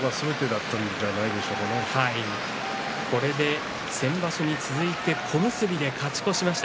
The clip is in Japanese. これで先場所に続いて小結で勝ち越しました。